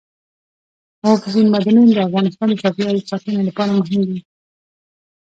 اوبزین معدنونه د افغانستان د چاپیریال ساتنې لپاره مهم دي.